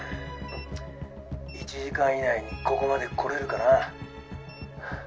１時間以内にここまで来れるかな？ははっ。